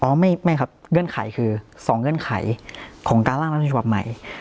คือ๒เนื่องขายของการล่างรัฐผิดฉบับใหม่